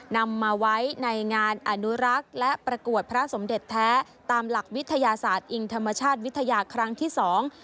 นำมาไว้ในงานอนุรักษ์และประกวดพระสมเด็จแท้ตามหลักวิทยาศาสตร์อิงธรรมชาติวิทยาครั้งที่สอง